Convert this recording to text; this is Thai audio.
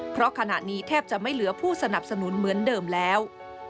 เพราะขณะนี้แทบจะไม่เหลือผู้สนับสนุนเหมือนเดิมแล้ว